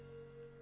あ。